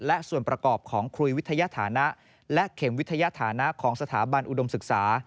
และส่วนประกอบของคุยวิทยาฐานะและเข็มวิทยาฐานะของสถาบันอุดมศึกษา